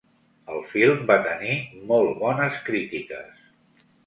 El film va tenir molt bones crítiques.